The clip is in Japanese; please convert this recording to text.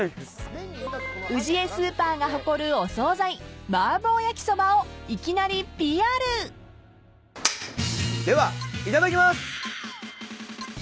［ウジエスーパーが誇るお総菜麻婆焼きそばを］ではいただきます。